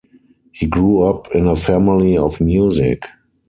He grew up in a family of music.